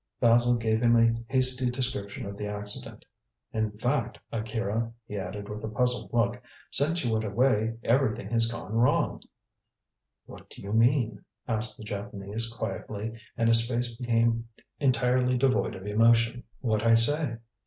Basil gave him a hasty description of the accident. "In fact, Akira," he added, with a puzzled look, "since you went away everything has gone wrong." "What do you mean?" asked the Japanese quietly, and his face became entirely devoid of emotion. "What I say.